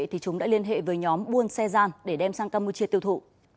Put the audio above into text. thì chúng đã liên hệ với nhóm buôn xe gian để đem sang campuchia tiêu thụ